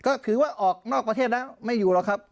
ก็คือว่าออกนอกประเทศแล้วไม่อยู่หรอกครับ